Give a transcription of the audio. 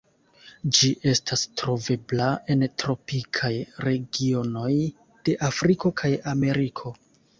Ĝi estas trovebla en tropikaj regionoj de Afriko kaj Ameriko.